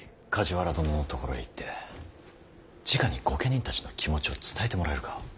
梶原殿のところへ行ってじかに御家人たちの気持ちを伝えてもらえるか。